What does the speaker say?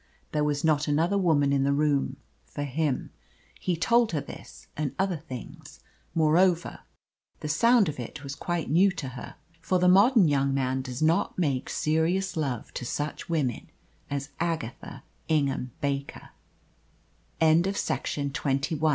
There was not another woman in the room for him. He told her this and other things. Moreover, the sound of it was quite new to her. For the modern young man does not make serious love to such women as Agatha Ingham Baker. CHAPTER VI. THE COUNT STANDS BY.